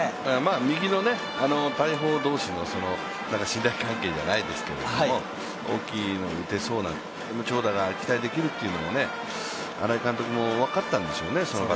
右の大砲同士の信頼関係じゃないですけど、大きいの打てそうだ、長打が期待できるというのも新井監督も分かったんでしょうね。